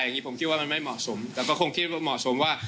อย่างนี้ผมคิดว่ามันไม่เหมาะสมแต่ก็คงคิดว่าเหมาะสมว่า